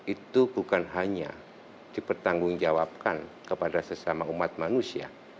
itu bukan hanya dipertanggungjawabkan kepada sesama umat manusia